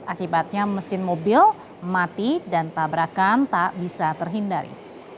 akibatnya mesin mobil mati dan tabrakan tak bisa terhindari